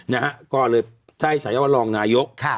ได้ต้องใช้ชายีความวงว่ารองนายก